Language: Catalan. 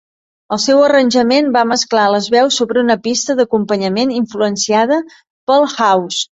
El seu arranjament va mesclar les veus sobre una pista d'acompanyament influenciada pel house.